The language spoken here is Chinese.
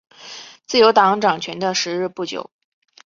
自由党掌权的时日不久。